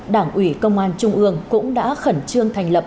đảng ủy công an trung ương cũng đã khẩn trương thành lập